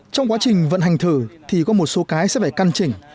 trong quá trình vận hành thử thì có một số cái sẽ phải căn chỉnh